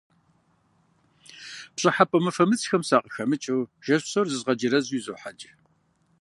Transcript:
Пщӏыхьэпӏэ мыфэмыцхэм сакъыхэмыкӏыу жэщ псор зызгъэджэрэзу изохьэкӏ.